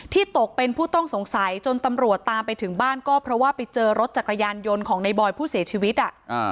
ตกเป็นผู้ต้องสงสัยจนตำรวจตามไปถึงบ้านก็เพราะว่าไปเจอรถจักรยานยนต์ของในบอยผู้เสียชีวิตอ่ะ